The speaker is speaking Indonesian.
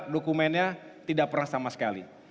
dokumennya tidak pernah sama sekali